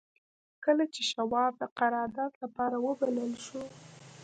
کله چې شواب د قرارداد لپاره وبلل شو.